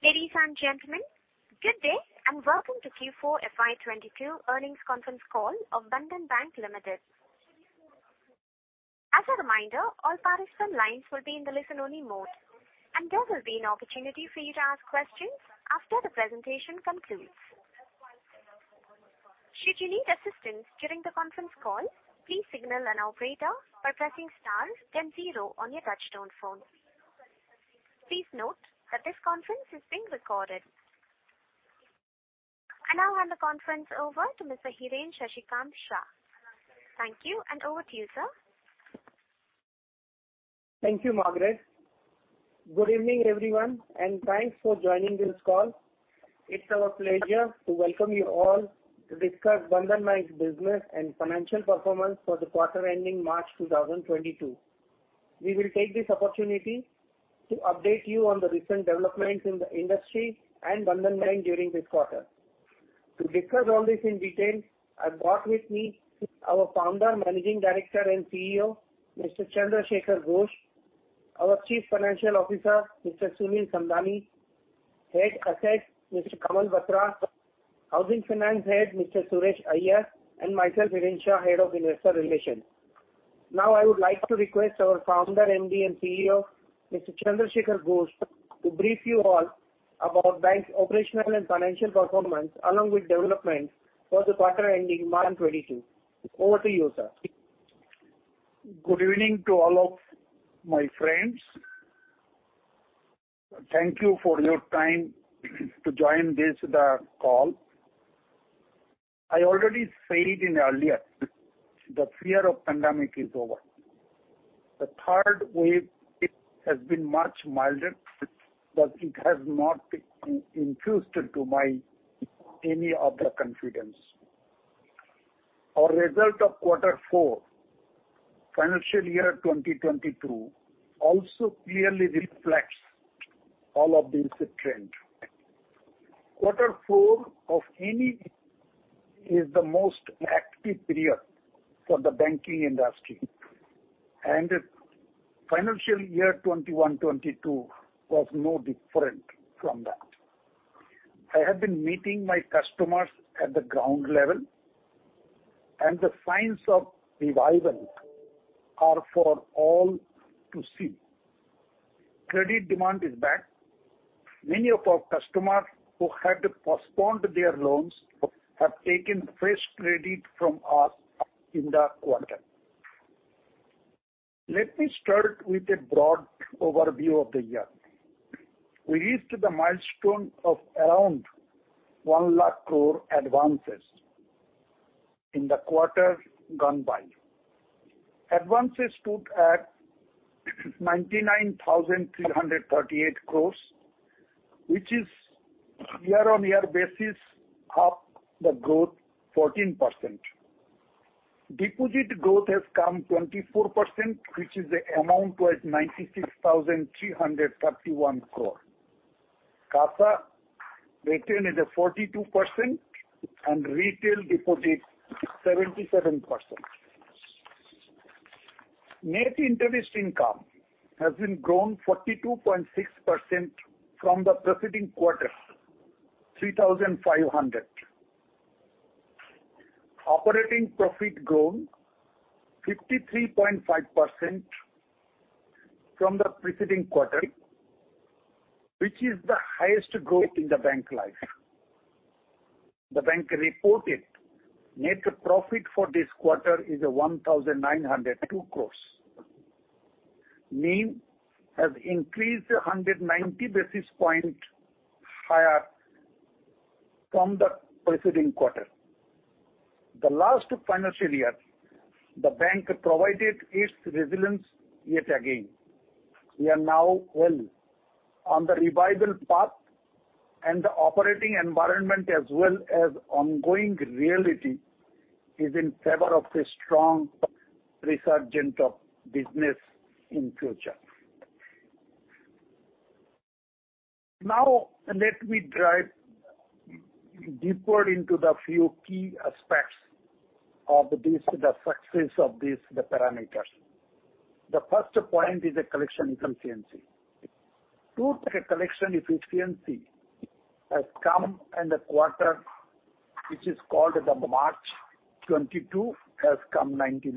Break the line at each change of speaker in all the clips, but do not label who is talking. Ladies and gentlemen, good day, and welcome to Q4 FY22 Earnings Conference Call of Bandhan Bank Limited. As a reminder, all participant lines will be in the listen-only mode, and there will be an opportunity for you to ask questions after the presentation concludes. Should you need assistance during the Conference Call, please signal an operator by pressing star then zero on your touchtone phone. Please note that this conference is being recorded. I now hand the conference over to Mr. Hiren Shashikant Shah. Thank you, and over to you, sir.
Thank you, Margaret. Good evening, everyone, and thanks for joining this call. It's our pleasure to welcome you all to discuss Bandhan Bank's business and financial performance for the quarter ending March 2022. We will take this opportunity to update you on the recent developments in the industry and Bandhan Bank during this quarter. To discuss all this in detail, I've brought with me our founder, managing director, and CEO, Mr. Chandra Shekhar Ghosh, our Chief Financial Officer, Mr. Sunil Samdani, Head Assets, Mr. Kamal Batra, Housing Finance Head, Mr. Suresh Iyer, and myself, Hiren Shah, Head of Investor Relations. Now, I would like to request our founder, MD, and CEO, Mr. Chandra Shekhar Ghosh, to brief you all about bank's operational and financial performance, along with developments for the quarter ending March 2022. Over to you, sir.
Good evening to all of my friends. Thank you for your time to join this call. I already said earlier, the fear of pandemic is over. The third wave has been much milder, but it has not instilled in me any confidence. Our results of quarter four, financial year 2022 also clearly reflects all of this trend. Quarter four of any year is the most active period for the banking industry, and financial year 2021-22 was no different from that. I have been meeting my customers at the ground level, and the signs of revival are for all to see. Credit demand is back. Many of our customers who had postponed their loans have taken fresh credit from us in the quarter. Let me start with a broad overview of the year. We reached the milestone of around 1 lakh crore advances in the quarter gone by. Advances stood at 99,338 crore, which is year-on-year basis up the growth 14%. Deposit growth has come 24%, which is amount was 96,331 crore. CASA retained at 42% and retail deposits 77%. Net interest income has been grown 42.6% from the preceding quarter, 3,500 crore. Operating profit grown 53.5% from the preceding quarter, which is the highest growth in the bank life. The bank reported net profit for this quarter is 1,902 crore. NIM has increased a hundred and ninety basis points higher from the preceding quarter. The last financial year, the bank provided its resilience yet again. We are now well on the revival path and the operating environment as well as ongoing reality is in favor of a strong resurgent of business in future. Now, let me dive deeper into the few key aspects of this, the success of this, the parameters. The first point is the collection efficiency. Total collection efficiency has come in the quarter, which is called the March 2022, has come 99%.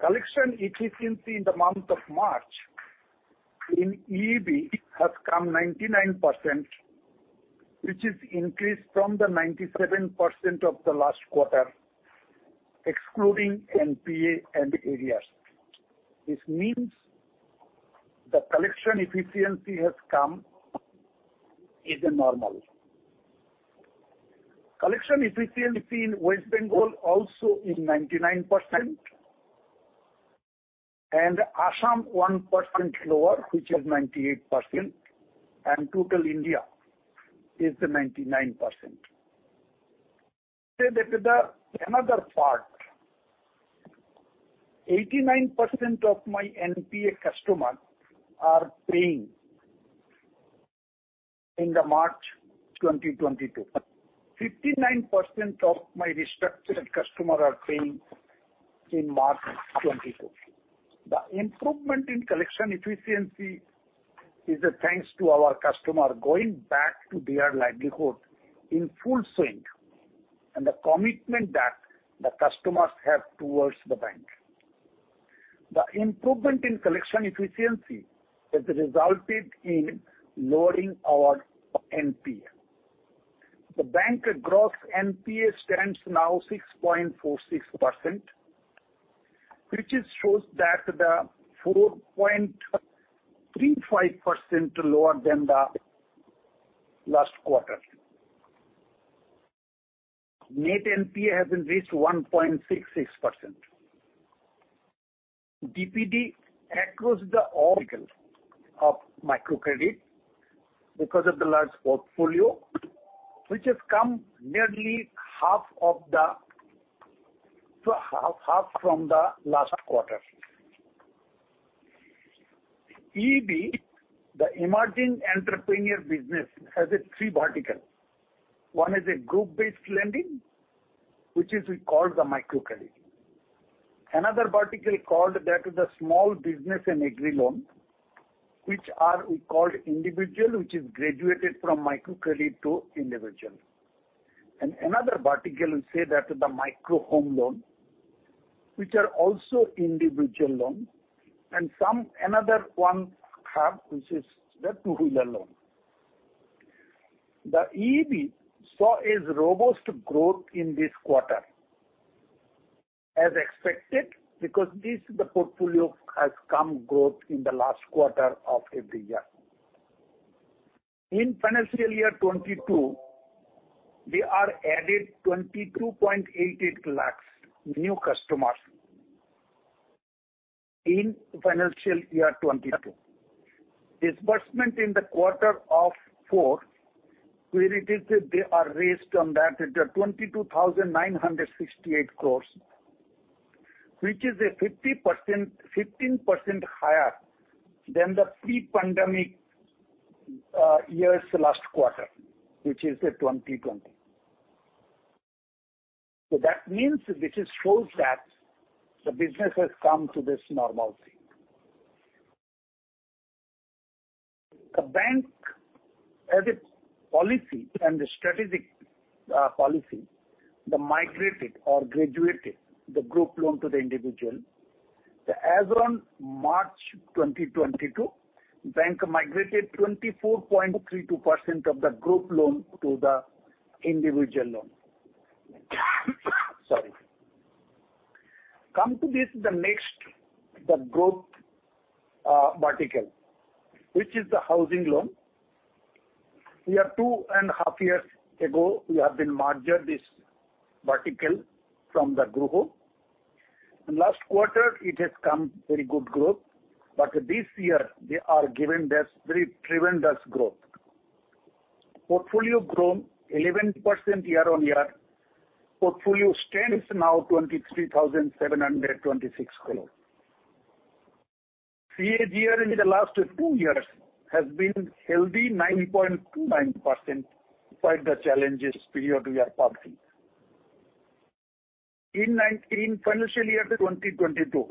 Collection efficiency in the month of March in EEB has come 99%, which is increase from the 97% of the last quarter, excluding NPA and ARRs. This means the collection efficiency has come is normal. Collection efficiency in West Bengal also is 99% and Assam 1% lower, which is 98%, and total India is 99%. Let me tell you that the another part, 89% of my NPA customers are paying. In March 2022. 59% of my restructured customer are paying in March 2022. The improvement in collection efficiency is thanks to our customer going back to their livelihood in full swing, and the commitment that the customers have towards the bank. The improvement in collection efficiency has resulted in lowering our NPA. The bank gross NPA stands now 6.46%, which it shows that the 4.35% lower than the last quarter. Net NPA has been reached 1.66%. DPD across the entire of microcredit because of the large portfolio, which has come nearly half of the, so half from the last quarter. EEB, the Emerging Entrepreneurs Business, has a three vertical. One is a group-based lending, which is we call the microcredit. Another vertical called the small business and Agri-loan, which we call individual, which is graduated from microcredit to individual. Another vertical we say the micro home loan, which are also individual loan and some another one have, which is the two-wheeler loan. The EEB saw a robust growth in this quarter, as expected, because this is the portfolio has come growth in the last quarter of every year. In financial year 2022, we are added 22.88 lakhs new customers in financial year 2022. Disbursement in the quarter four, we indicated that it was INR 22,968 crore, which is 15% higher than the pre-pandemic year's last quarter, which is 2020. That means which it shows that the business has come to this normalcy. The bank as a policy and a strategic policy, the migrated or graduated the group loan to the individual. As on March 2022, bank migrated 24.32% of the group loan to the individual loan. Sorry. Coming to the next growth vertical, which is the housing loan. Two and a half years ago, we merged this vertical from the group. Last quarter it has come very good growth, but this year they are giving this very tremendous growth. Portfolio grown 11% year-on-year. Portfolio stands now 23,726 crores. CAGR in the last two years has been healthy 9.29%, despite the challenging period we are passing. In financial year 2022,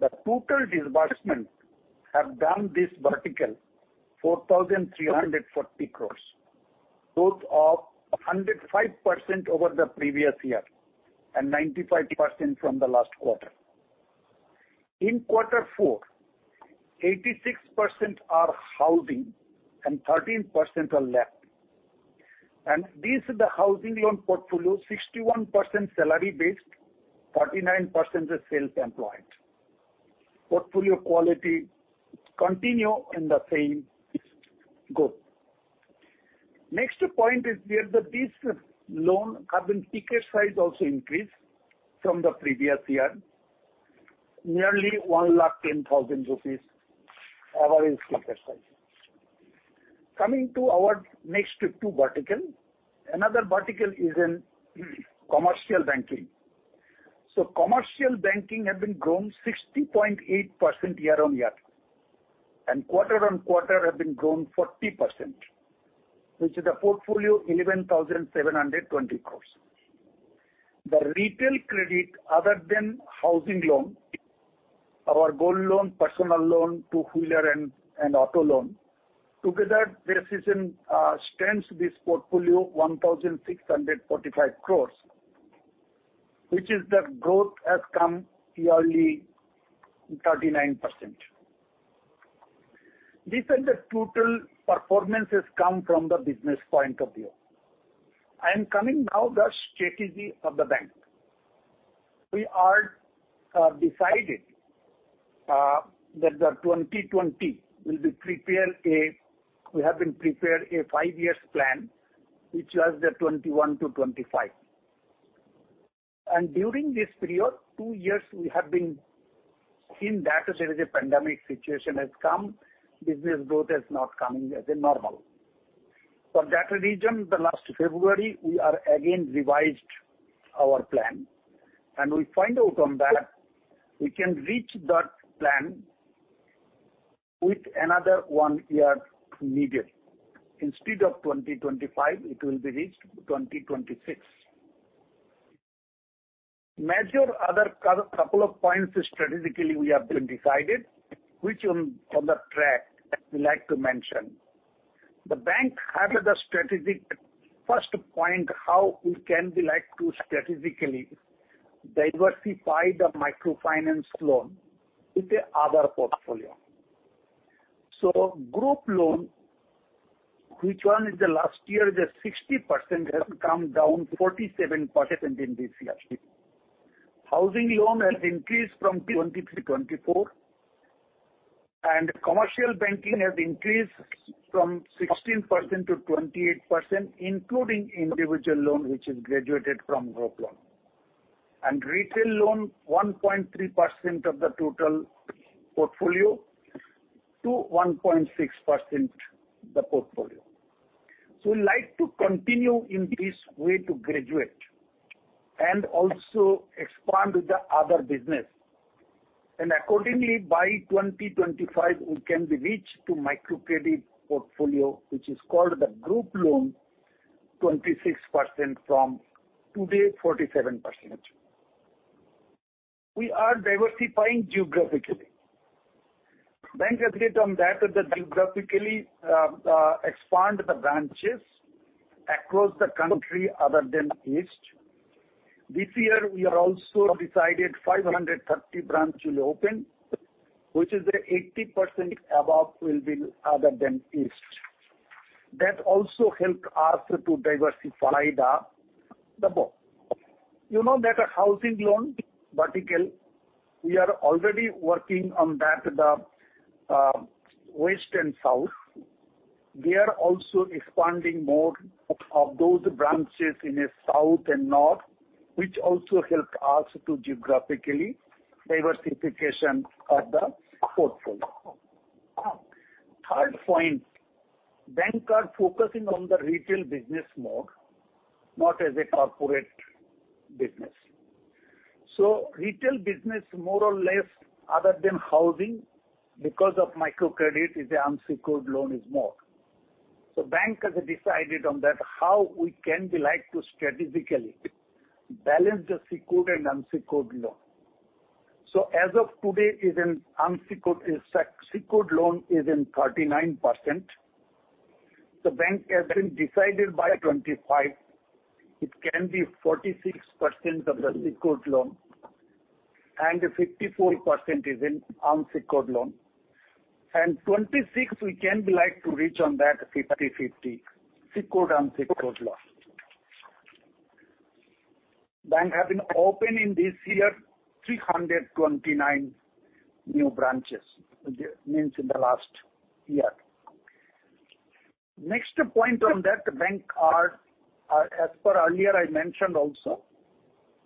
the total disbursement in this vertical 4,340 crores. Growth of 105% over the previous year and 95% from the last quarter. In quarter four, 86% are housing and 13% are left. This is the housing loan portfolio, 61% salary based, 49% are self-employed. Portfolio quality continue in the same growth. Next point is the ticket size also increased from the previous year, nearly 1.1 lakh average ticket size. Coming to our next two vertical. Another vertical is in commercial banking. Commercial banking have been grown 60.8% year-on-year, and quarter-on-quarter have been grown 40%, which is a portfolio 11,720 crores. The retail credit other than housing loan, our gold loan, personal loan, two-wheeler and auto loan, together this portfolio stands at 1,645 crores, which is the growth has come yearly 39%. These are the total performances come from the business point of view. I am coming now to the strategy of the bank. We are decided that the 2020 we have prepared a five-year plan, which was the 2021 to 2025. During this period, two years we have been in that there is a pandemic situation has come, business growth has not coming as normal. For that reason, last February, we are again revised our plan and we find out that we can reach that plan with another one year needed. Instead of 2025, it will be reached 2026. Major other couple of points strategically we have decided which are on track I would like to mention. The bank have the strategic first point, how we can like to strategically diversify the microfinance loan with the other portfolio. Group loan, which in the last year, the 60% has come down to 47% in this year. Housing loan has increased from 23% to 24%. Commercial banking has increased from 16% to 28%, including individual loan, which is graduated from group loan. Retail loan, 1.3% of the total portfolio to 1.6% the portfolio. We like to continue in this way to graduate and also expand the other business. Accordingly, by 2025, we can be reached to microcredit portfolio, which is called the group loan, 26% from today, 47%. We are diversifying geographically. Bank agreed on that geographically, expand the branches across the country other than east. This year we are also decided 530 branch will open, which is the 80% above will be other than east. That also help us to diversify the both. You know that housing loan vertical, we are already working on that, the, west and south. We are also expanding more of those branches in the south and north, which also help us to geographically diversification of the portfolio. Third point, bank are focusing on the retail business more, not as a corporate business. Retail business more or less other than housing because of microcredit is an unsecured loan is more. Bank has decided on that how we can be like to strategically balance the secured and unsecured loan. As of today, the secured loan is in 39%. The bank has been decided by 2025 it can be 46% of the secured loan and 54% is in unsecured loan. 2026 we can be like to reach on that 50-50 secured, unsecured loan. Bank have been open in this year 329 new branches, means in the last year. Next point on that, bank are as per earlier I mentioned also,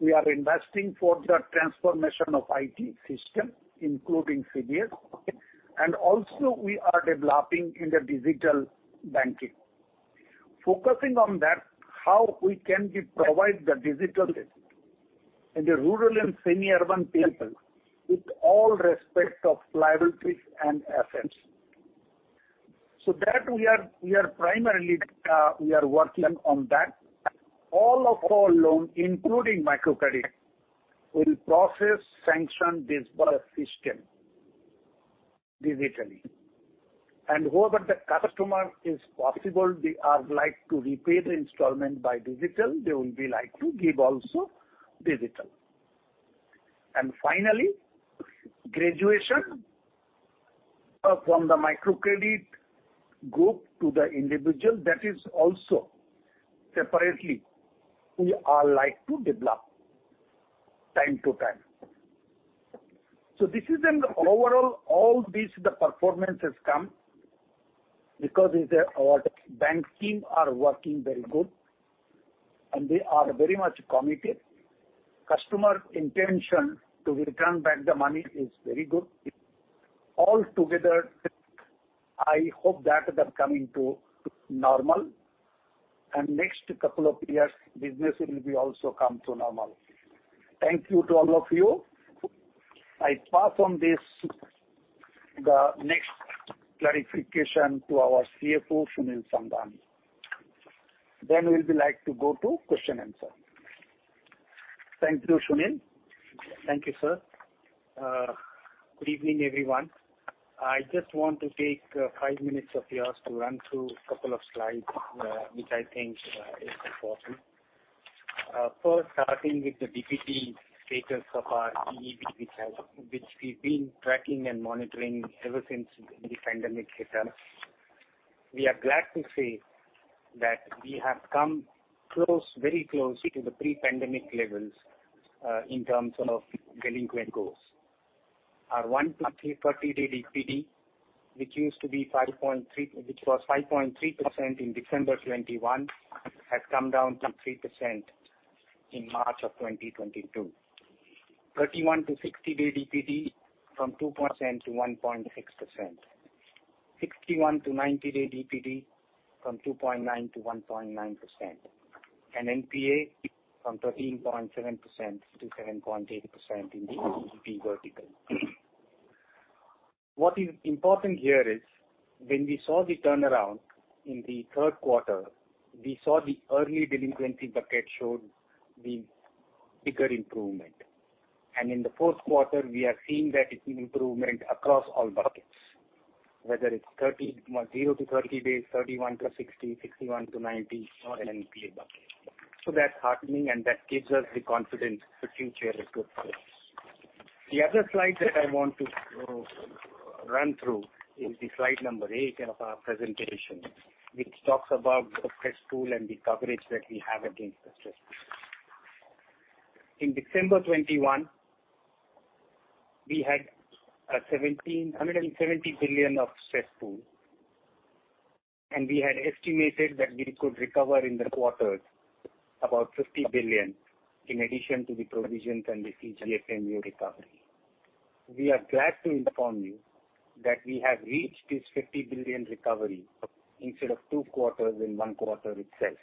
we are investing for the transformation of IT system, including CBS. We are developing in the digital banking. Focusing on that, how we can provide the digital in the rural and semi-urban people with all respect of liabilities and assets. That we are primarily working on that. All of our loan, including microcredit, will process sanction this system digitally. Whoever the customer is possible, they are likely to repay the installment by digital, they will be likely to give also digital. Finally, graduation from the microcredit group to the individual, that is also separately we are likely to develop time to time. This is an overall, all this the performance has come because our bank team are working very good, and they are very much committed. Customer intention to return back the money is very good. All together, I hope that they're coming to normal and next couple of years business will be also come to normal. Thank you to all of you. I pass on this, the next clarification to our CFO, Sunil Samdani. Then we'll be like to go to question-and- answer. Thank you, Sunil.
Thank you, sir. Good evening, everyone. I just want to take 5 minutes of yours to run through a couple of slides, which I think is important. First starting with the DPD status of our EEB, which we've been tracking and monitoring ever since the pandemic hit us. We are glad to say that we have come close, very close to the pre-pandemic levels in terms of delinquent loans. Our 1-30-day DPD, which was 5.3% in December 2021, has come down to 3% in March 2022. 31-60-day DPD from 2% to 1.6%. 61-90-day DPD from 2.9% to 1.9% and NPA from 13.7% to 7.8% in the EEB vertical. What is important here is when we saw the turnaround in Q3, we saw the early delinquency bucket showed the bigger improvement. In Q4 we are seeing that it's an improvement across all buckets, whether it's zero to 30 days, 31 to 60, 61 to 90 or NPA bucket. That's heartening, and that gives us the confidence the future is good for us. The other slide that I want to run through is the slide number 8 of our presentation, which talks about the stress pool and the coverage that we have against the stress pool. In December 2021, we had 170 billion of stress pool, and we had estimated that we could recover in the quarter about 50 billion in addition to the provisions and the CGFMU recovery. We are glad to inform you that we have reached this 50 billion recovery instead of 2 quarters in 1 quarter itself.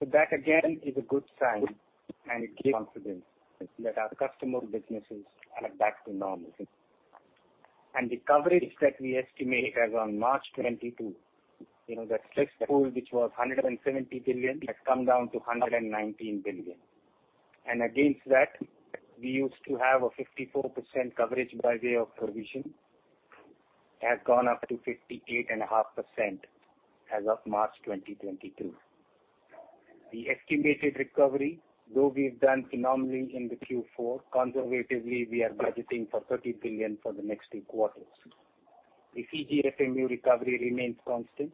That again is a good sign and it gives confidence that our customer businesses are back to normal. The coverage that we estimate as on March 2022, you know the stress pool which was 170 billion has come down to 119 billion. Against that we used to have a 54% coverage by way of provision, has gone up to 58.5% as of March 2022. The estimated recovery, though we've done phenomenally in the Q4, conservatively we are budgeting for 30 billion for the next 2 quarters. The CGFMU recovery remains constant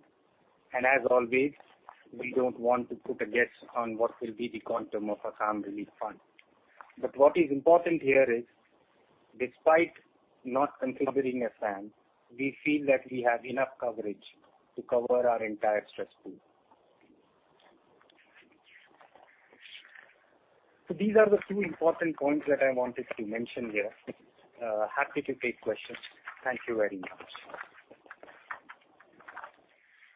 and as always, we don't want to put a guess on what will be the quantum of a family fund. What is important here is despite not considering Assam, we feel that we have enough coverage to cover our entire stress pool. These are the two important points that I wanted to mention here. Happy to take questions. Thank you very much.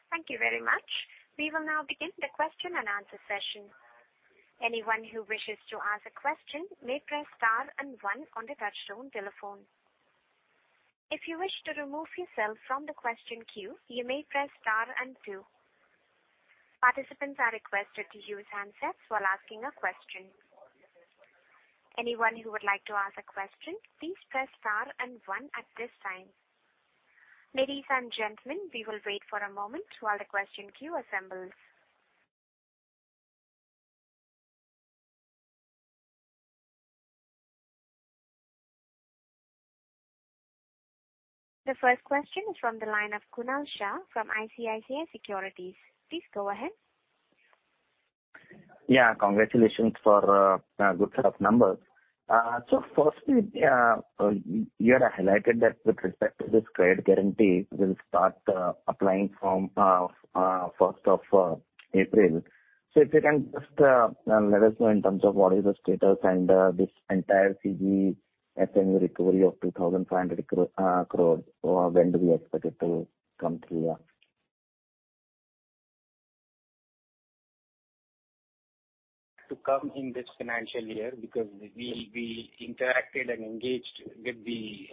Thank you very much. We will now begin the question-and-answer session. Anyone who wishes to ask a question may press star and one on the touchtone telephone. If you wish to remove yourself from the question queue, you may press star and two. Participants are requested to use handsets while asking a question. Anyone who would like to ask a question, please press star and one at this time. Ladies and gentlemen, we will wait for a moment while the question queue assembles. The first question is from the line of Kunal Shah from ICICI Securities. Please go ahead.
Yeah, congratulations for a good set of numbers. Firstly, you had highlighted that with respect to this credit guarantee will start applying from first of April. If you can just let us know in terms of what is the status and this entire CGFMU recovery of 2,500 crore, when do we expect it to come through?
To come in this financial year because we interacted and engaged with the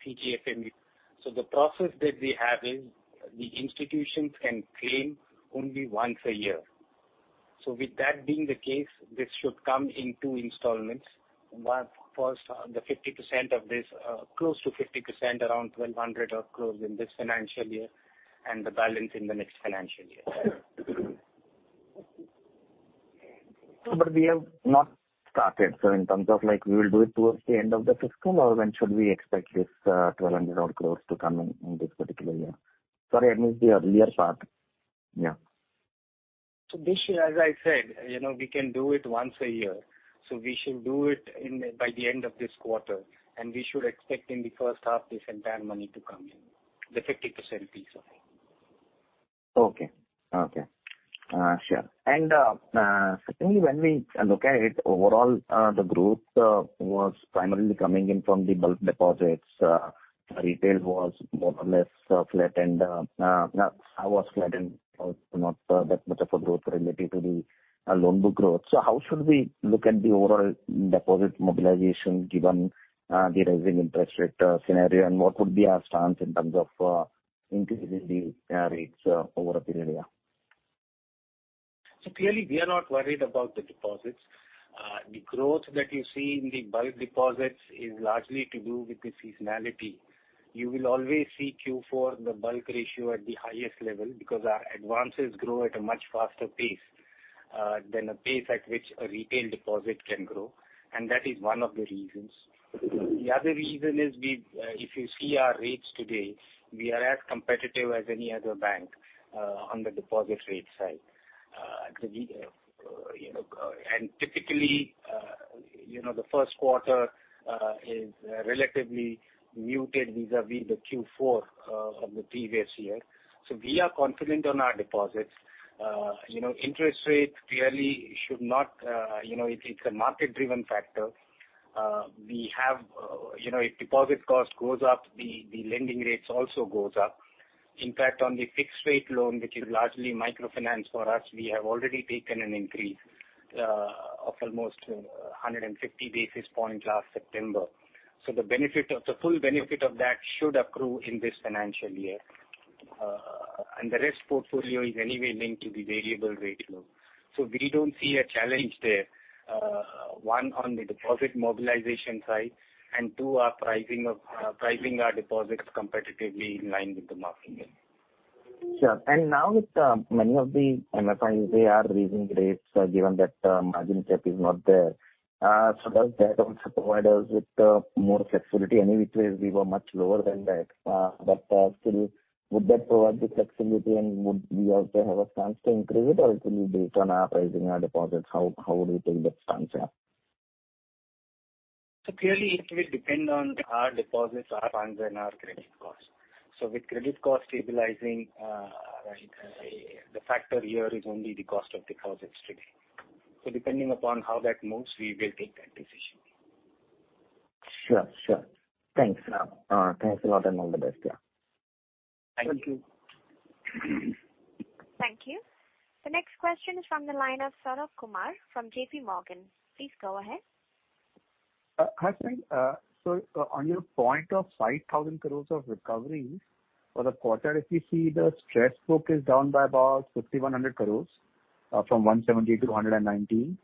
CGFMU. The process that we have is the institutions can claim only once a year. With that being the case, this should come in two installments. First, the 50% of this, close to 50%, around 1,200 crore in this financial year and the balance in the next financial year.
We have not started. In terms of like we will do it towards the end of the fiscal or when should we expect this, 1,200 crores to come in this particular year? Sorry, I missed the earlier part. Yeah.
This year, as I said, you know, we can do it once a year, so we should do it in the by the end of this quarter, and we should expect in the first half this entire money to come in, the 50% piece of it.
Okay. Sure. Certainly when we look at it overall, the growth was primarily coming in from the bulk deposits. Retail was more or less flat and wholesale was flat and also not that much of a growth relative to the loan book growth. How should we look at the overall deposit mobilization given the rising interest rate scenario and what would be our stance in terms of increasing the rates over a period, yeah?
Clearly we are not worried about the deposits. The growth that you see in the bulk deposits is largely to do with the seasonality. You will always see Q4, the bulk ratio at the highest-level because our advances grow at a much faster pace than a pace at which a retail deposit can grow. That is one of the reasons. The other reason is we've if you see our rates today, we are as competitive as any other bank on the deposit rate side. We you know typically you know Q1 is relatively muted vis-a-vis the Q4 of the previous year. We are confident on our deposits. You know, interest rates clearly should not, you know, it's a market-driven factor. We have, you know, if deposit cost goes up, the lending rates also goes up. In fact, on the fixed rate loan, which is largely microfinance for us, we have already taken an increase of almost 150 basis points last September. So the full benefit of that should accrue in this financial year. The rest portfolio is anyway linked to the variable rate loan. So we don't see a challenge there. One, on the deposit mobilization side, and two, our pricing our deposits competitively in line with the market.
Sure. Now with many of the MFIs, they are raising rates, given that margin cap is not there. Does that also provide us with more flexibility? Any which way we were much lower than that. Still would that provide the flexibility and would we also have a chance to increase it or it will be based on our pricing, our deposits? How would we take that stance, yeah?
Clearly it will depend on our deposits, our funds and our credit costs. With credit cost stabilizing, the factor here is only the cost of deposits today. Depending upon how that moves, we will take that decision.
Sure. Thanks.
Yeah.
Thanks a lot and all the best. Yeah.
Thank you.
Thank you. The next question is from the line of Saurabh Kumar from JPMorgan. Please go ahead.
Hi, Sunil. On your point of 500 crore of recovery for the quarter, if you see the stress book is down by about 51 crore, from 170 to 119,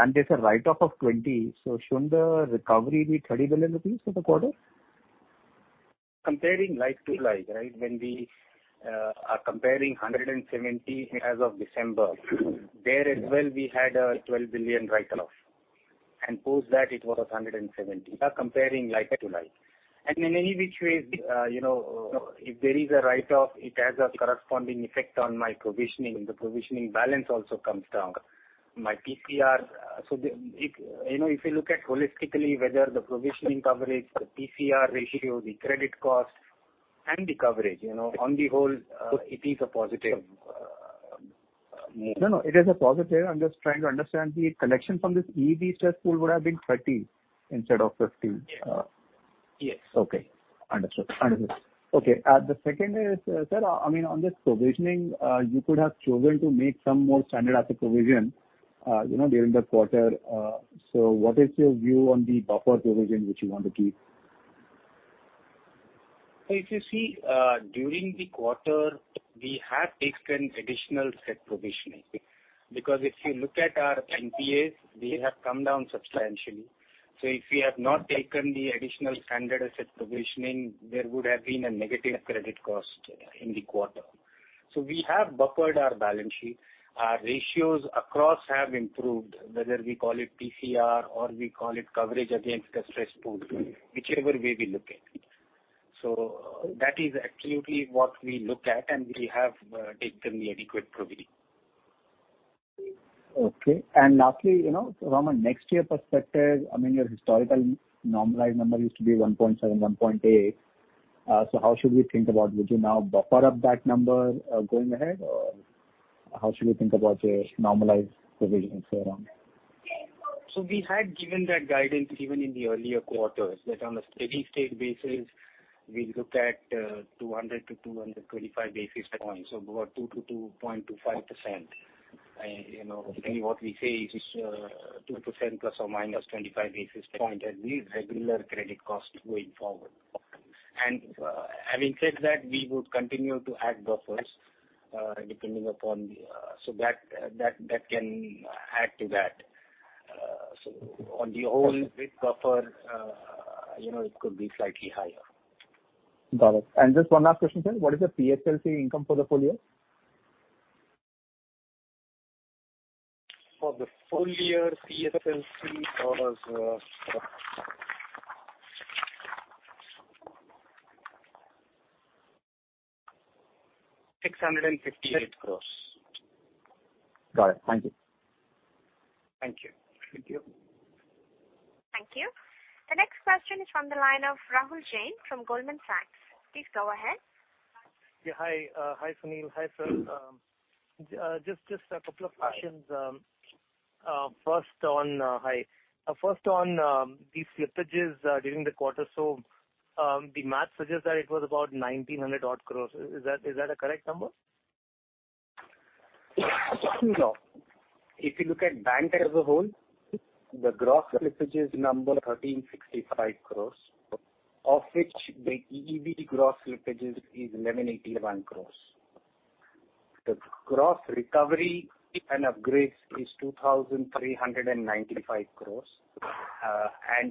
and there's a write-off of 20, shouldn't the recovery be 30 crore rupees for the quarter?
Comparing like to like, right? When we are comparing 170% as of December, there as well we had an 12 billion write-off. Post that it was 170%. We are comparing like to like. In any which way, you know, if there is a write-off, it has a corresponding effect on my provisioning. The provisioning balance also comes down. My PCR. If you know, if you look at holistically whether the provisioning coverage, the PCR ratio, the credit cost and the coverage, you know, on the whole, it is a positive move.
No, no, it is a positive. I'm just trying to understand the collection from this EEB stress pool would have been 30 instead of 15.
Yes.
Okay. Understood. Okay. The second is, sir, I mean, on this provisioning, you could have chosen to make some more standard asset provision, you know, during the quarter. What is your view on the buffer provision which you want to keep?
If you see, during the quarter, we have taken additional standard asset provisioning. Because if you look at our NPAs, they have come down substantially. If we have not taken the additional standard asset provisioning, there would have been a negative credit cost in the quarter. We have buffered our balance sheet. Our ratios across have improved, whether we call it PCR or we call it coverage against the stress pool, whichever way we look at it. That is actually what we look at, and we have taken the adequate provision.
Okay. Lastly, you know, from a next year perspective, I mean, your historical normalized number used to be 1.7, 1.8. So how should we think about? Would you now buffer up that number, going ahead? Or how should we think about your normalized provisions around that?
We had given that guidance even in the earlier quarters, that on a steady state basis, we look at 200-225 basis points, so about 2-2.25%. You know, anyway what we say is 2% ±25 basis points as the regular credit cost going forward.
Okay.
Having said that, we would continue to add buffers, depending upon the. That can add to that. On the whole with buffer, you know, it could be slightly higher.
Got it. Just one last question, sir. What is the PSLC income for the full-year?
For the full-year, PSLC was INR 658 crore.
Got it. Thank you.
Thank you.
Thank you.
Thank you. The next question is from the line of Rahul Jain from Goldman Sachs. Please go ahead.
Hi, Sunil. Hi, sir. Just a couple of questions. First on the slippages during the quarter. The math suggests that it was about 1,900 odd crore. Is that a correct number?
No. If you look at the bank as a whole, the gross slippages number, 1,365 crores, of which the EEB gross slippages is 1,181 crores. The gross recovery and upgrades is 2,395 crores.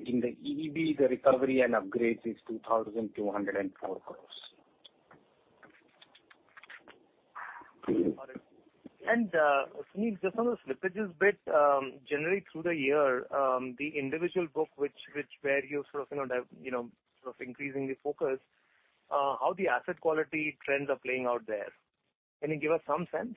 In the EEB, the recovery and upgrades is 2,204 crores.
Got it. Sunil, just on the slippages bit, generally through the year, the individual book which where you sort of, you know, sort of increasingly focus, how the asset quality trends are playing out there? Can you give us some sense?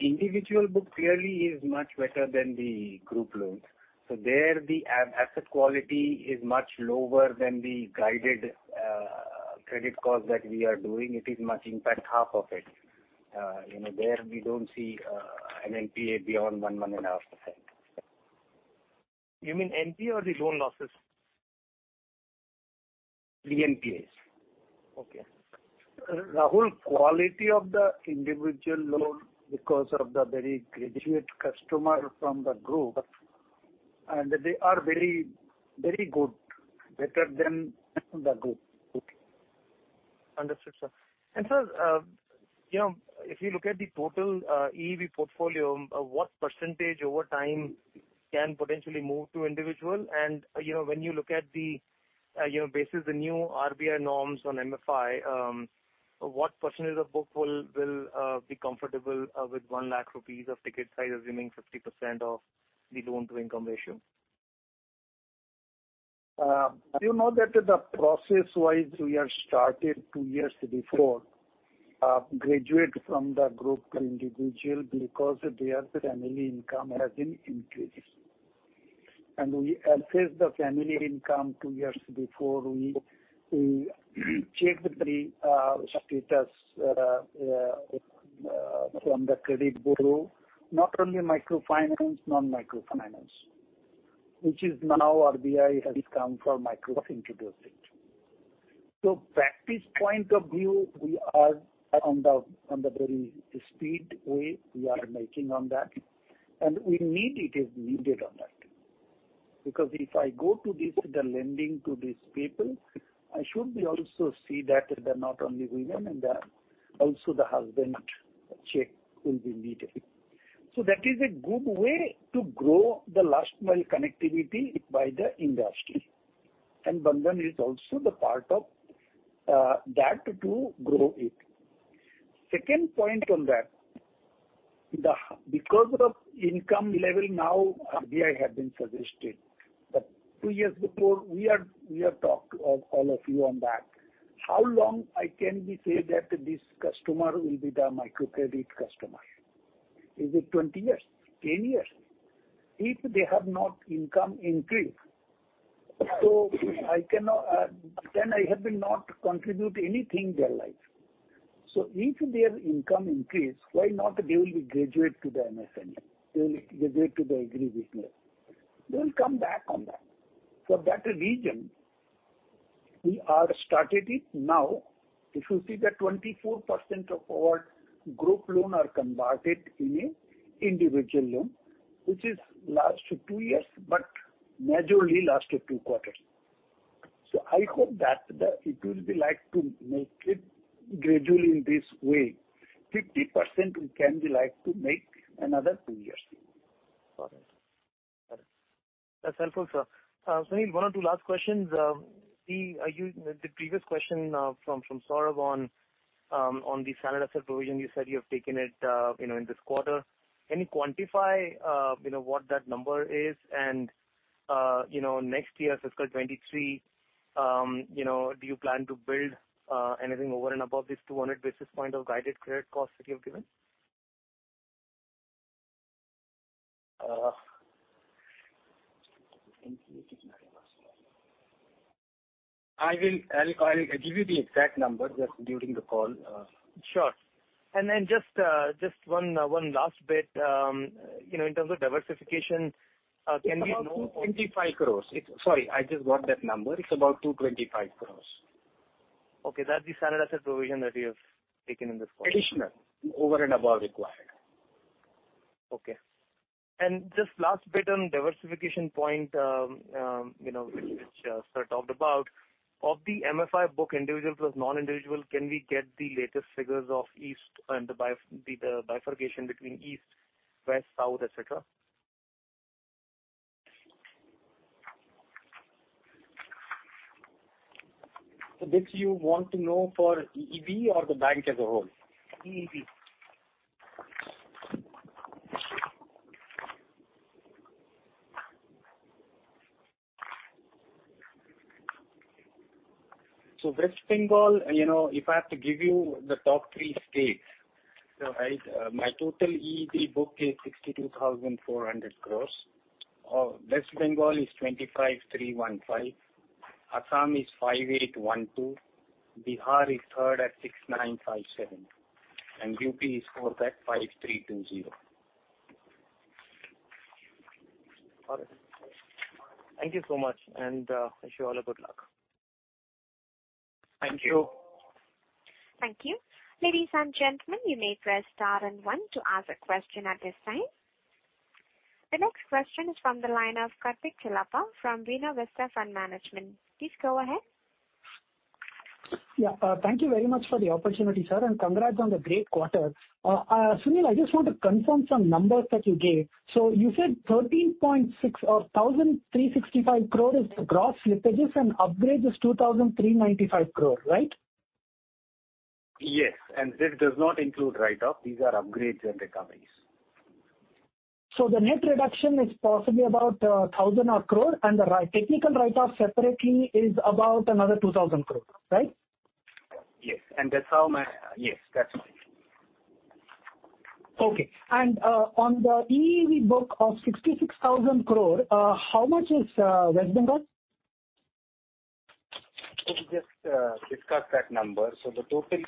Individual book clearly is much better than the group loans. Their asset quality is much lower than guided.
Credit cost that we are doing, it is much in fact half of it. You know, there we don't see an NPA beyond 1.5%.
You mean NPA or the loan losses?
The NPAs.
Okay.
Rahul, quality of the individual loan because of the very grateful customer from the group, and they are very, very good, better than the group.
Understood, sir. Sir, you know, if you look at the total EEB portfolio, what percentage over time can potentially move to individual? You know, when you look at the, you know, based on the new RBI norms on MFI, what percentage of book will be comfortable with 1 lakh rupees of ticket size, assuming 50% of the loan to income ratio?
You know that the process-wise we have started two years before, graduate from the group to individual because their family income has been increased. We assess the family income two years before we check the status from the credit bureau, not only microfinance, non-microfinance, which is now RBI has come for micro introduced it. Practice point of view, we are on the very speed way we are making on that, and it is needed on that. Because if I go to this, the lending to these people, I should also see that they're not only women and also the husband check will be needed. That is a good way to grow the last mile connectivity by the industry. Bandhan is also the part of that to grow it. Second point on that. Because of income level now, RBI have been suggesting that 2 years before we have talked all of you on that. How long I can say that this customer will be the microcredit customer? Is it 20 years? 10 years? If they have not income increased, I cannot then I have been not contribute anything their life. If their income increase, why not they will graduate to the MSME? They will graduate to the Agribusiness. We will come back on that. For that reason, we are started it now. If you see that 24% of our group loan are converted into an individual loan, which is last 2 years, but majorly last 2 quarters. I hope that it will be like to make it gradually in this way. 50% we can be like to make another 2 years.
Got it. That's helpful, sir. Sunil, one or two last questions. The previous question from Saurabh on the standard asset provision, you said you have taken it, you know, in this quarter. Can you quantify, you know, what that number is? Next year, fiscal 2023, you know, do you plan to build anything over and above this 200 basis points of guided credit costs that you have given?
I'll give you the exact number just during the call.
Sure. Just one last bit, you know, in terms of diversification, can we-
It's about 225 crores. Sorry, I just got that number. It's about 225 crores.
Okay, that's the standard asset provision that you have taken in this quarter.
Additional, over and above required.
Okay. Just last bit on diversification point, you know, which sir talked about. Of the MFI book individual plus non-individual, can we get the latest figures of east and the bifurcation between east, west, south, et cetera?
This you want to know for EEB or the bank as a whole?
EEB.
Sure. West Bengal, you know, if I have to give you the top three states, right? My total EEB book is 62,400 crore. West Bengal is 25,315 crore. Assam is 5,812 crore. Bihar is third at 6,957 crore. UP is fourth at 5,320 crore.
All right. Thank you so much and wish you all good luck.
Thank you.
Thank you. Ladies and gentlemen, you may press star and one to ask a question at this time. The next question is from the line of Karthik Chellappa from Mirae Asset Capital Markets. Please go ahead.
Yeah. Thank you very much for the opportunity, sir, and congrats on the great quarter. Sunil, I just want to confirm some numbers that you gave. You said 136 crore or 1,365 crore is the gross slippages and upgrade is 2,395 crore, right?
Yes, this does not include write-off. These are upgrades and recoveries.
The net reduction is possibly about 1,000 crore and the technical write-off separately is about another 2,000 crore, right?
Yes. That's right.
Okay. On the EEB book of 66,000 crore, how much is West Bengal?
Let me just discuss that number. The total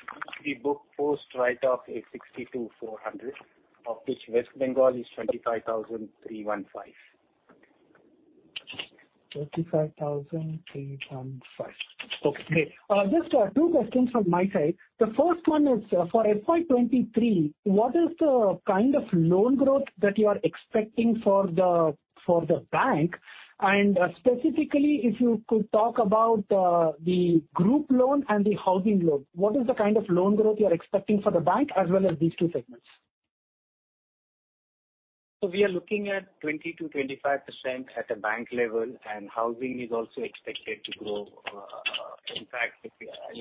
EEB book post write-off is 62,400, of which West Bengal is 25,315.
25,000 3 1 5. Okay. Just two questions from my side. The first one is for FY 2023, what is the kind of loan growth that you are expecting for the bank? And specifically, if you could talk about the group loan and the housing loan. What is the kind of loan growth you are expecting for the bank as well as these two segments?
We are looking at 20%-25% at the bank level, and housing is also expected to grow. In fact,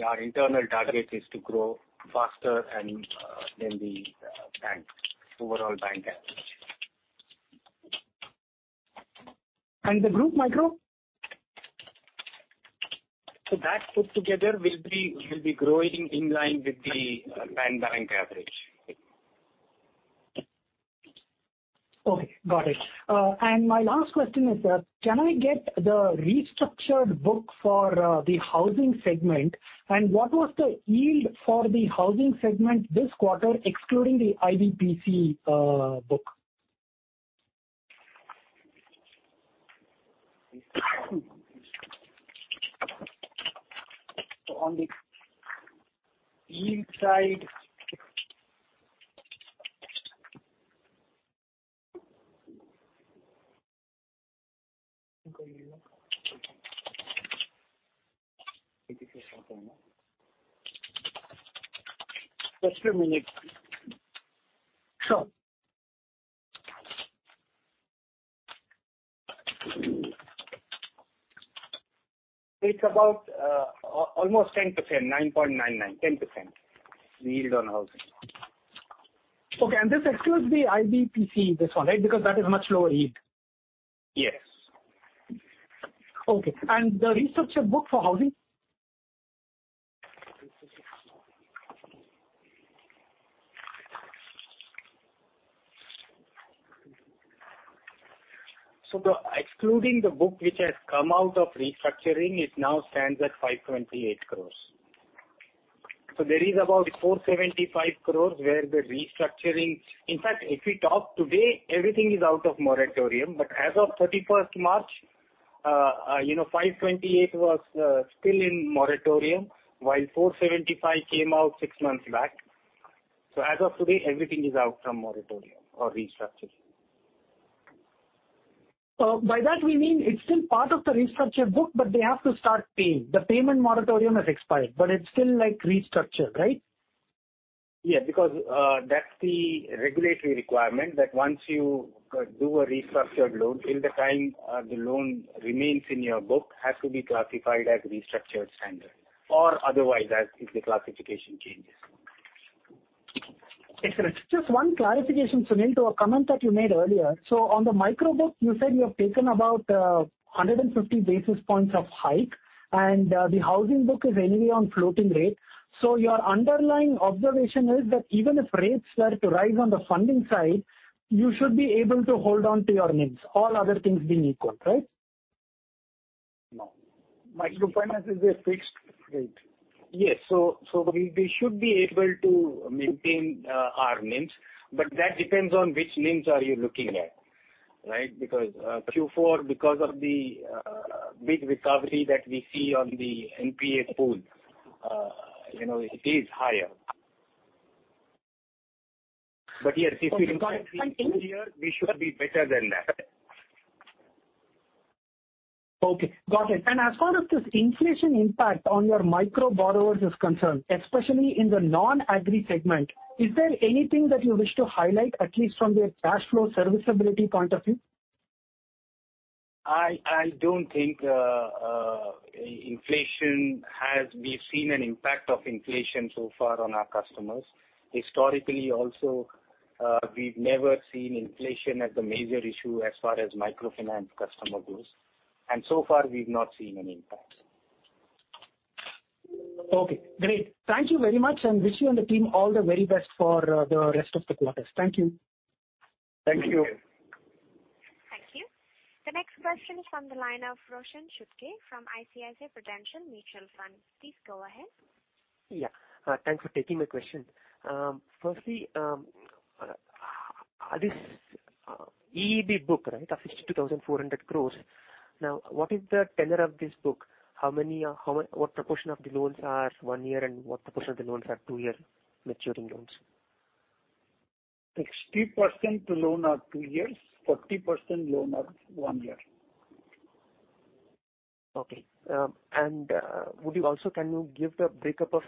our internal target is to grow faster than the bank overall average.
The group micro?
That put together will be growing in line with the bank average.
Okay, got it. My last question is that can I get the restructured book for the housing segment? What was the yield for the housing segment this quarter, excluding the IBPC book?
On the yield side. Just a minute. Sure. It's about, almost 10%, 9.99, 10% yield on housing.
Okay. This excludes the IBPC, this one, right? Because that is much lower-yield.
Yes.
Okay. The restructured book for housing?
Excluding the book which has come out of restructuring, it now stands at 528 crore. There is about 475 crore where the restructuring. In fact, if we talk today, everything is out of moratorium. As of 31st March, you know, 528 was still in moratorium, while 475 came out six months back. As of today, everything is out from moratorium or restructuring.
By that we mean it's still part of the restructured book, but they have to start paying. The payment moratorium has expired, but it's still like restructured, right?
Yeah, because that's the regulatory requirement, that once you do a restructured loan, till the time the loan remains in your book, it has to be classified as restructured standard or otherwise as if the classification changes.
Excellent. Just one clarification, Sunil, to a comment that you made earlier. On the micro book, you said you have taken about 150 basis points of hike and the housing book is anyway on floating rate. Your underlying observation is that even if rates were to rise on the funding side, you should be able to hold on to your NIMs, all other things being equal, right?
No. Microfinance is a fixed rate. Yes. We should be able to maintain our NIMs, but that depends on which NIMs are you looking at, right? Q4, because of the big recovery that we see on the NPA pool, you know, it is higher. Yes, if you compare with last year, we should be better than that.
Okay. Got it. As far as this inflation impact on your micro borrowers is concerned, especially in the non-agri segment, is there anything that you wish to highlight at least from the cash flow serviceability point of view?
I don't think we've seen an impact of inflation so far on our customers. Historically also, we've never seen inflation as the major issue as far as microfinance customer goes. So far, we've not seen an impact.
Okay, great. Thank you very much and wish you and the team all the very best for the rest of the quarters. Thank you.
Thank you.
Thank you. The next question is from the line of Roshan Chutkey from ICICI Prudential Mutual Fund. Please go ahead.
Thanks for taking my question. Firstly, this EEB book, right, of 62,400 crores. Now, what is the tenure of this book? What proportion of the loans are one year and what proportion of the loans are two-year maturing loans?
60% loan are 2 years, 40% loan are 1 year.
Can you give the break-up of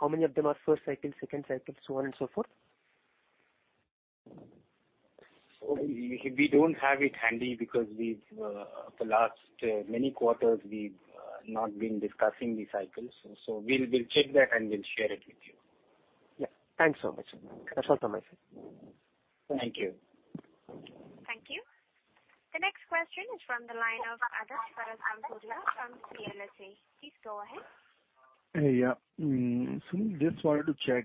how many of them are first cycle, second cycle, so on and so forth?
We don't have it handy because for last many quarters we've not been discussing the cycles. We'll check that, and we'll share it with you.
Yeah. Thanks so much. That's all from my side.
Thank you.
Next question is from the line of Adarsh Parasrampuria from CLSA. Please go ahead.
Sunil, just wanted to check,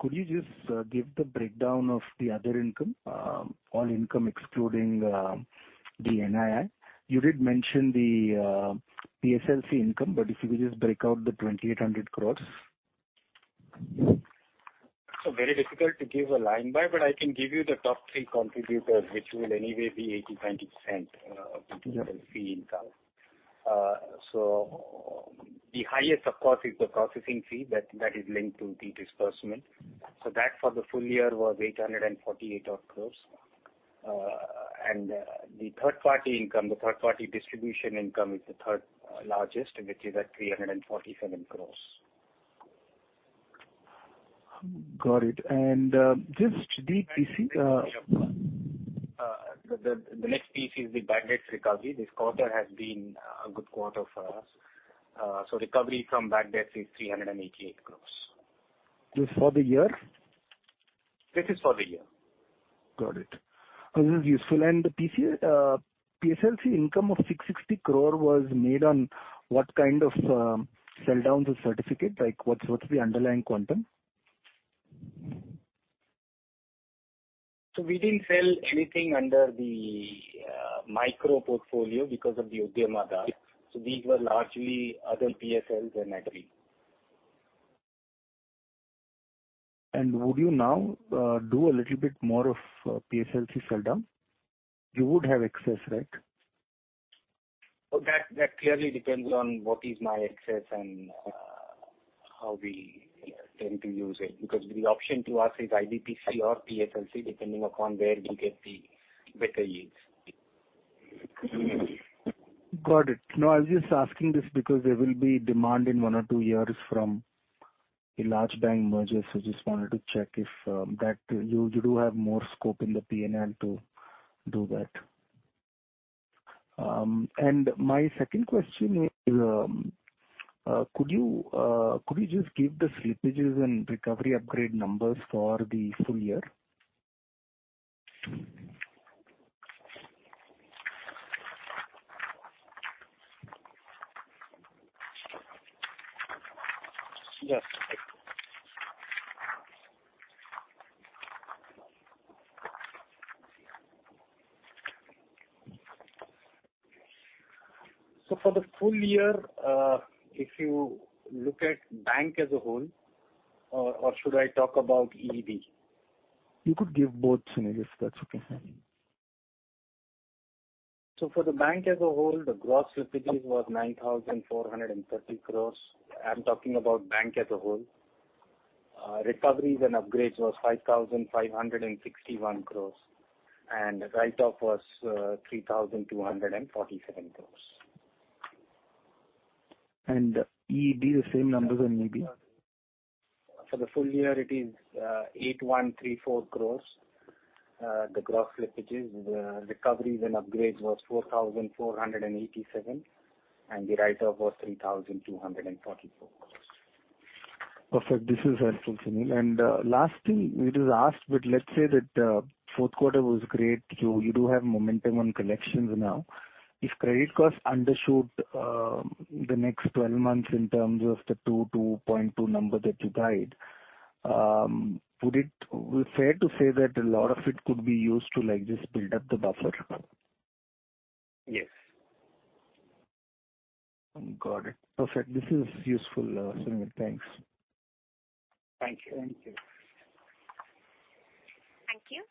could you just give the breakdown of the other income, all income excluding the NII? You did mention the PSLC income, but if you could just break out the 2,800 crore.
Very difficult to give a line by, but I can give you the top three contributors, which will anyway be 80-90% of the total fee income. The highest, of course, is the processing fee that is linked to the disbursement. That for the full-year was 848 odd crores. And the third-party income, the third-party distribution income is the third largest, which is at 347 crores.
Got it. Just the PC.
The next piece is the bad debts recovery. This quarter has been a good quarter for us. Recovery from bad debts is 388 crores.
This is for the year?
This is for the year.
Got it. This is useful. The PC PSLC income of 660 crore was made on what kind of sell-down to certificate? Like, what's the underlying quantum?
We didn't sell anything under the micro portfolio because of the Udayama DA. These were largely other PSLs and Agri.
Would you now do a little bit more of PSLC sell-down? You would have excess, right?
Oh, that clearly depends on what is my excess and how we tend to use it. Because the option to us is IBPC or PSLC, depending upon where we get the better yields.
Got it. No, I was just asking this because there will be demand in one or two years from the large bank mergers. Just wanted to check if that you do have more scope in the P&L to do that. My second question is, could you just give the slippages and recovery upgrade numbers for the full-year?
Sure. For the full-year, if you look at bank as a whole or should I talk about EEB?
You could give both, Sunil, if that's okay.
For the bank as a whole, the gross slippage was 9,430 crore. I'm talking about bank as a whole. Recoveries and upgrades was 5,561 crore, and write-off was 3,247 crore.
EEB, the same numbers then maybe.
For the full-year it is 8,134 crore, the gross slippages. The recoveries and upgrades was 4,487 crore, and the write-off was 3,244 crore.
Perfect. This is helpful, Sunil. Last thing, it is asked, but let's say that Q4 was great. You do have momentum on collections now. If credit costs undershoot, the next 12 months in terms of the 2%-2.2% number that you guide, would it be fair to say that a lot of it could be used to, like, just build up the buffer?
Yes.
Got it. Perfect. This is useful, Sunil. Thanks.
Thank you.
Thank you.
Thank you.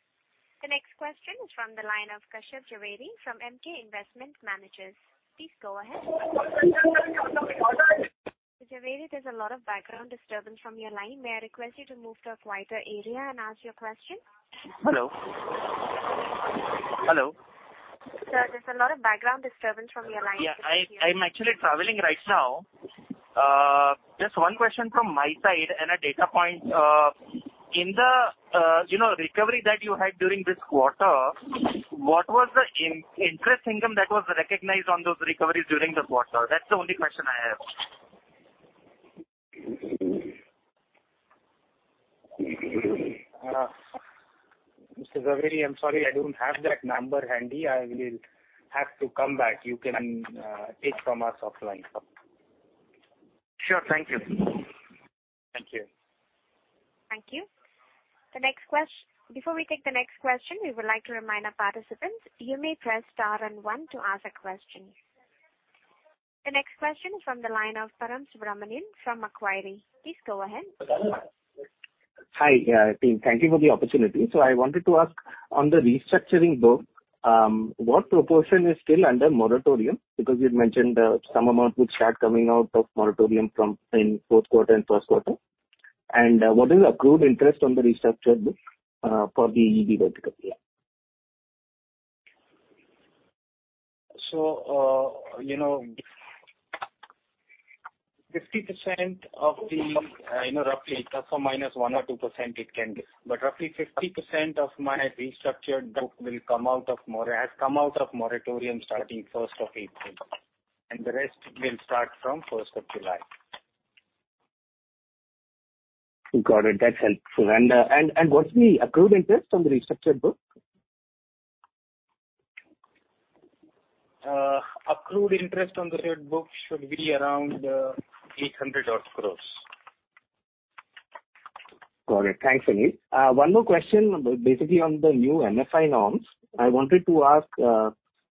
The next question is from the line of Kashyap Jhaveri from Emkay Investment Managers. Please go ahead. Mr. Jhaveri, there's a lot of background disturbance from your line. May I request you to move to a quieter area and ask your question?
Hello? Hello?
Sir, there's a lot of background disturbance from your line.
Yeah. I'm actually traveling right now. Just one question from my side and a data point. In the, you know, recovery that you had during this quarter, what was the interest income that was recognized on those recoveries during the quarter? That's the only question I have.
Mr. Jhaveri, I'm sorry, I don't have that number handy. I will have to come back. You can take from us offline.
Sure. Thank you.
Thank you.
Thank you. Before we take the next question, we would like to remind our participants, you may press star and one to ask a question. The next question is from the line of Param Subramanian from Macquarie. Please go ahead.
Hi, yeah. Thank you for the opportunity. I wanted to ask on the restructuring book, what proportion is still under moratorium? Because you'd mentioned, some amount would start coming out of moratorium from in Q4 and Q1. What is the accrued interest on the restructured book, for the EEB vertical? Yeah.
50% of the, you know, roughly ±1 or 2% it can be. Roughly 50% of my restructured book has come out of moratorium starting first of April, and the rest will start from first of July.
Got it. That's helpful. What's the accrued interest on the restructured book?
Accrued interest on the said book should be around 800 odd crore.
Got it. Thanks, Sunil. One more question, basically on the new MFI norms. I wanted to ask,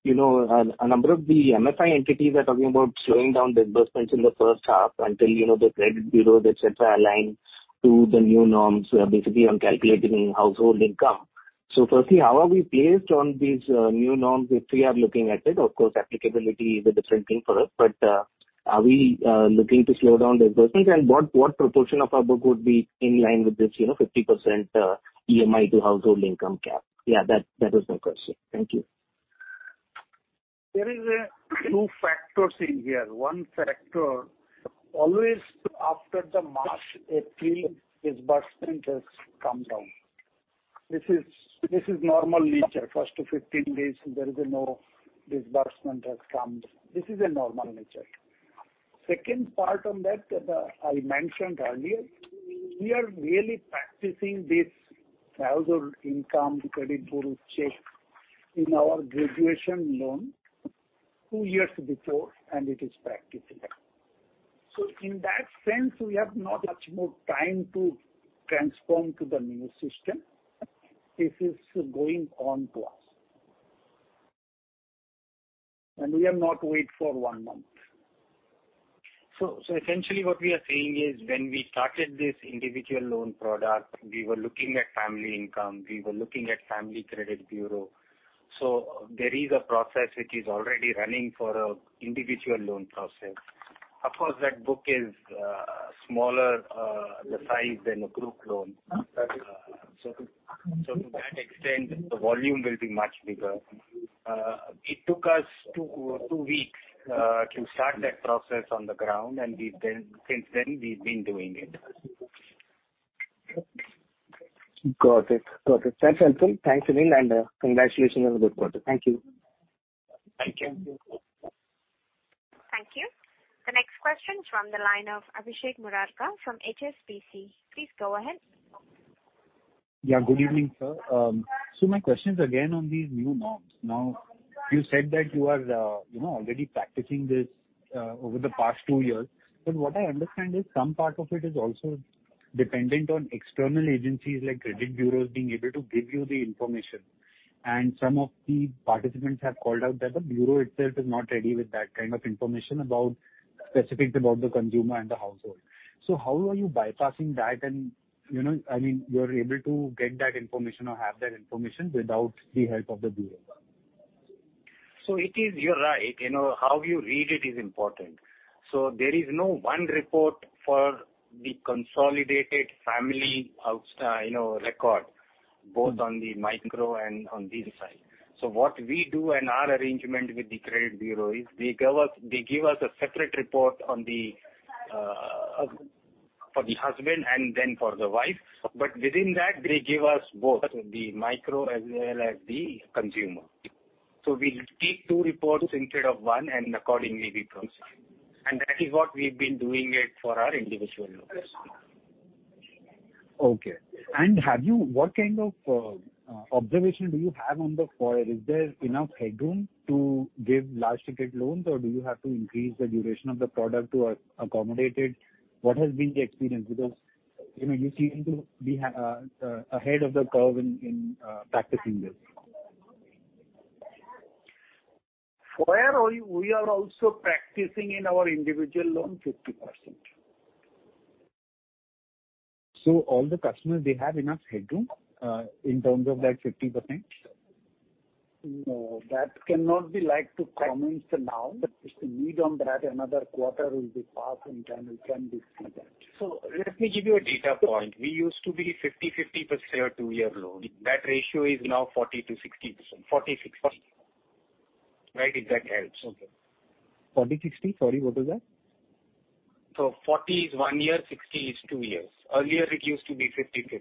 you know, a number of the MFI entities are talking about slowing down disbursements in the first half until, you know, the credit bureaus, et cetera, align to the new norms, basically on calculating household income. Firstly, how are we placed on these new norms if we are looking at it? Of course, applicability is a different thing for us, but are we looking to slow down disbursements? And what proportion of our book would be in line with this, you know, 50% EMI to household income cap? Yeah, that is my question. Thank you.
There is two factors in here. One factor, always after the March, April disbursement has come down. This is normal nature. First fifteen days there is no disbursement has come. This is a normal nature. Second part on that, I mentioned earlier, we are really practicing this household income credit bureau check in our graduation loan two years before, and it is practicing. So in that sense, we have not much more time to transform to the new system. This is going on to us. We have not wait for one month.
Essentially what we are saying is when we started this individual loan product, we were looking at family income, we were looking at family credit bureau. There is a process which is already running for individual loan process. Of course, that book is smaller the size than a group loan.
That is.
To that extent, the volume will be much bigger. It took us two weeks to start that process on the ground, and since then we've been doing it.
Got it. That's helpful. Thanks, Sunil Samdani, and congratulations on a good quarter. Thank you.
Thank you.
Thank you. The next question is from the line of Abhishek Murarka from HSBC. Please go ahead.
Yeah, good evening, sir. My question is again on these new norms. You said that you are, you know, already practicing this over the past two years. What I understand is some part of it is also dependent on external agencies like credit bureaus being able to give you the information. Some of the participants have called out that the bureau itself is not ready with that kind of information about specifics about the consumer and the household. How are you bypassing that? You know, I mean, you're able to get that information or have that information without the help of the bureau.
You're right. You know, how you read it is important. There is no one report for the consolidated family household record, you know, both on the micro and on this side. What we do in our arrangement with the credit bureau is they give us a separate report for the husband and then for the wife. But within that, they give us both the micro as well as the consumer. We take two reports instead of one, and accordingly we proceed. That is what we've been doing it for our individual loans.
Okay. What kind of observation do you have on the FOIR? Is there enough headroom to give large ticket loans, or do you have to increase the duration of the product to accommodate it? What has been the experience? Because, you know, you seem to be ahead of the curve in practicing this.
FOIR, we are also practicing in our individual loan 50%.
All the customers, they have enough headroom, in terms of that 50%?
No, that cannot be like to comment now. If we don't have another quarter, we'll be past and then we can discuss that.
Let me give you a data point. We used to be 50-50% two-year loan. That ratio is now 40%-60%. 40-60. Right? If that helps.
Okay. 40-60. Sorry, what was that?
40 is 1 year, 60 is 2 years. Earlier it used to be 50-50.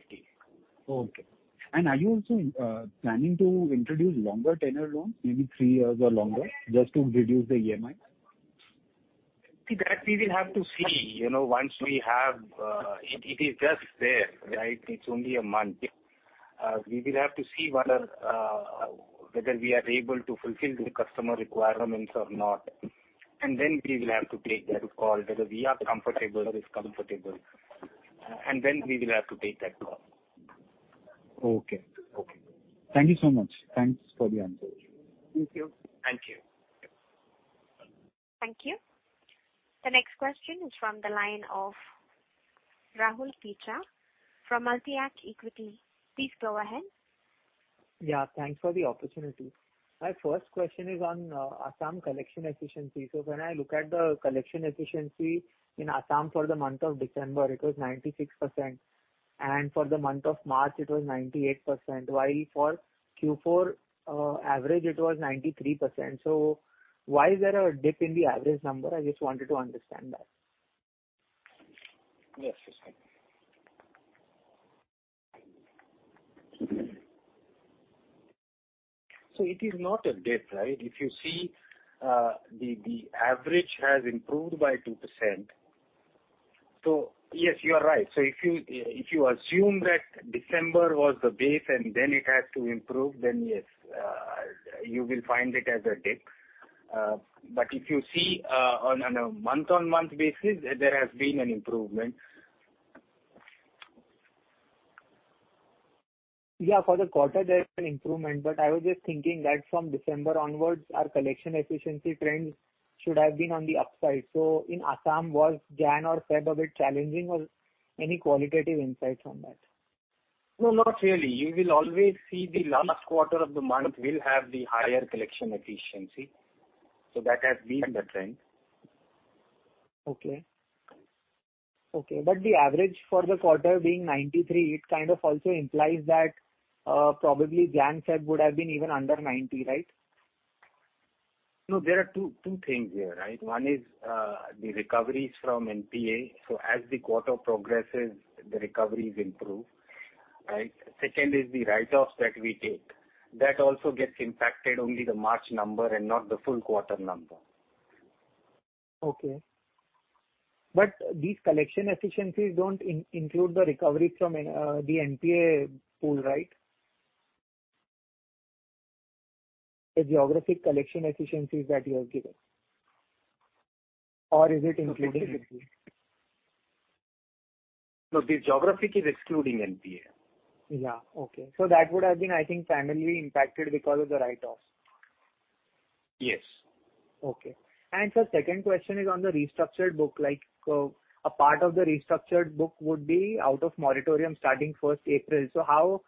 Okay. Are you also planning to introduce longer tenure loans, maybe three years or longer, just to reduce the EMI?
See that we will have to see, you know, once we have, it is just there, right? It's only a month. We will have to see whether we are able to fulfill the customer requirements or not. Then we will have to take that call, whether we are comfortable or is comfortable. Then we will have to take that call.
Okay. Thank you so much. Thanks for the answers.
Thank you.
Thank you.
Thank you. The next question is from the line of Rahul Picha from Multi-Act Equity Consultancy. Please go ahead.
Yeah, thanks for the opportunity. My first question is on Assam collection efficiency. When I look at the collection efficiency in Assam for the month of December, it was 96%, and for the month of March it was 98%, while for Q4 average it was 93%. Why is there a dip in the average number? I just wanted to understand that.
Yes, sir.
It is not a dip, right? If you see, the average has improved by 2%. Yes, you are right. If you assume that December was the base and then it has to improve, then yes, you will find it as a dip. If you see, on a month-on-month basis, there has been an improvement.
Yeah, for the quarter there is an improvement, but I was just thinking that from December onwards, our collection efficiency trend should have been on the upside. In Assam, was January or February a bit challenging or any qualitative insights on that?
No, not really. You will always see the last quarter of the month will have the higher collection efficiency. That has been the trend.
The average for the quarter being 93, it kind of also implies that probably Jan, Feb would have been even under 90, right?
No, there are two things here, right? One is the recoveries from NPA. As the quarter progresses, the recoveries improve, right. Second is the write-offs that we take. That also gets impacted only the March number and not the full quarter number.
Okay. These collection efficiencies don't include the recovery from the NPA pool, right? The geographic collection efficiencies that you have given. Is it included with it?
No, the geographic is excluding NPA.
Yeah. Okay. That would have been, I think, primarily impacted because of the write-offs.
Yes.
Okay. Sir, second question is on the restructured book. Like, a part of the restructured book would be out of moratorium starting first April. So how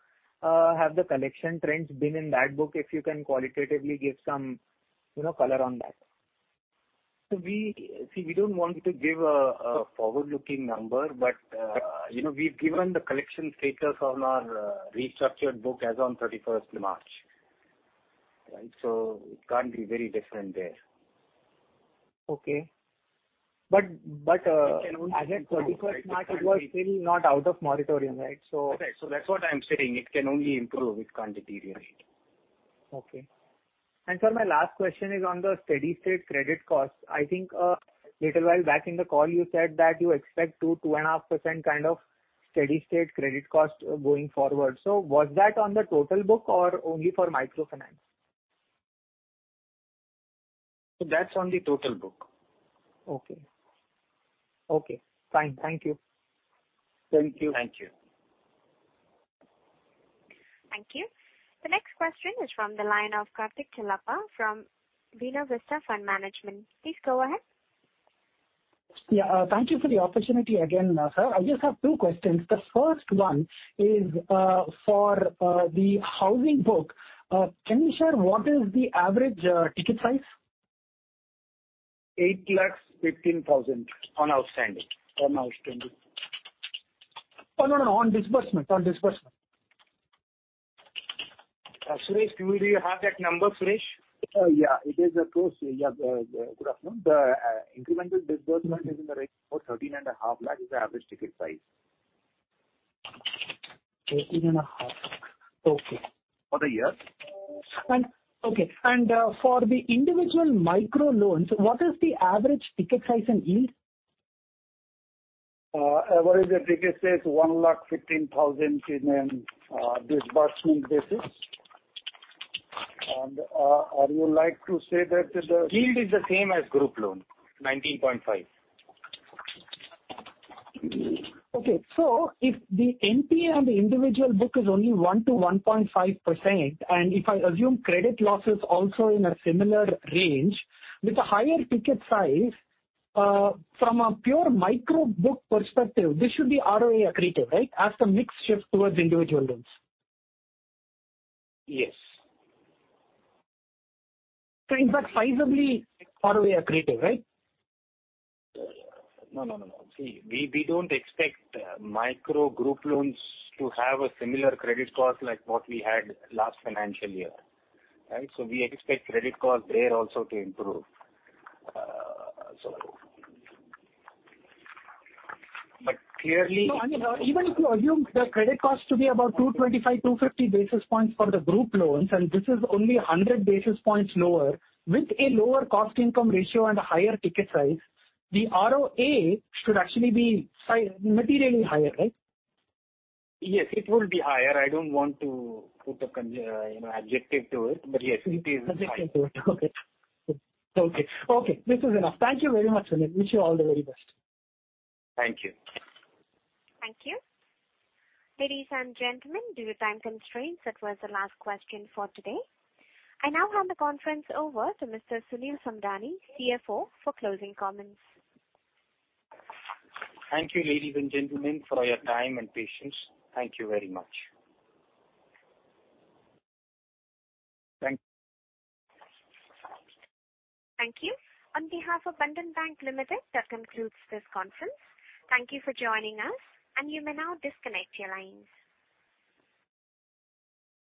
have the collection trends been in that book, if you can qualitatively give some, you know, color on that?
See, we don't want to give a forward-looking number, but you know, we've given the collection status on our restructured book as on thirty-first March. Right. It can't be very different there.
Okay.
It can only improve, right?
As of 31st March it was still not out of moratorium, right, so.
Okay. That's what I'm saying. It can only improve. It can't deteriorate.
Sir, my last question is on the steady-state credit costs. I think, little while back in the call you said that you expect 2.5% kind of steady-state credit cost going forward. Was that on the total book or only for microfinance?
That's on the total book.
Okay, fine. Thank you.
Thank you.
Thank you. The next question is from the line of Karthik Chellappa from Mirae Asset Capital Markets. Please go ahead.
Yeah. Thank you for the opportunity again, sir. I just have two questions. The first one is for the housing book. Can you share what is the average ticket size?
INR 815,000 on outstanding.
Oh, no, on disbursement.
Suresh, do you have that number, Suresh?
It is close. Good afternoon. The incremental disbursement is in the range of 13.5 lakh is the average ticket size.
13.5. Okay.
For the year.
For the individual micro loans, what is the average ticket size and yield?
Average ticket size INR 115,000 on disbursement basis. I would like to say that the-
Yield is the same as group loan, 19.5%.
Okay. If the NPA on the individual book is only 1%-1.5%, and if I assume credit loss is also in a similar range, with a higher ticket size, from a pure micro book perspective, this should be ROA accretive, right? As the mix shifts towards individual loans.
Yes.
In fact sizably ROA accretive, right?
No. See, we don't expect micro group loans to have a similar credit cost like what we had last financial year. Right. We expect credit cost there also to improve. Clearly.
No, I mean, even if you assume the credit cost to be about 225-250 basis points for the group loans, and this is only 100 basis points lower with a lower cost income ratio and a higher ticket size, the ROA should actually be materially higher, right?
Yes, it will be higher. I don't want to put a con, you know, adjective to it, but yes, it is higher.
Adjective to it. Okay. This is enough. Thank you very much. I wish you all the very best.
Thank you.
Thank you. Ladies and gentlemen, due to time constraints, that was the last question for today. I now hand the conference over to Mr. Sunil Samdani, CFO, for closing comments.
Thank you, ladies and gentlemen, for your time and patience. Thank you very much.
Thank-
Thank you. On behalf of Bandhan Bank Limited, that concludes this conference. Thank you for joining us, and you may now disconnect your lines.